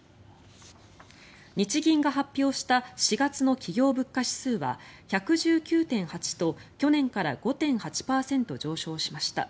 日銀が発表した４月の企業物価指数は１１９．８と去年から５．８上昇しました。